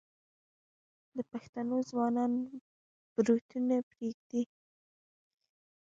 د پښتنو ځوانان بروتونه پریږدي.